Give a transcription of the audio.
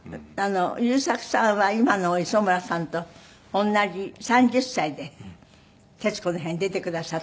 優作さんは今の磯村さんと同じ３０歳で『徹子の部屋』に出てくださったんです。